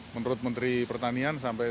menurut menteri pertanian sampai